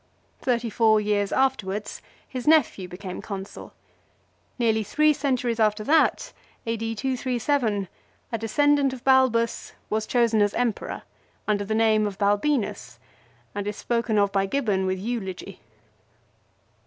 Thirty four years afterwards his nephew became Consul. Nearly three centuries after that, A.D. 237, a de scendant of Balbus was chosen as Emperor, under the name of Balbinus, and is spoken of by Gibbon with eulogy.